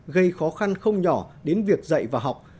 gây khó khăn không nhỏ đến việc dạy và học